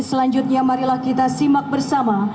selanjutnya marilah kita simak bersama